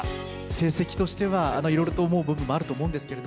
成績としては、いろいろと思う部分もあると思うんですけど。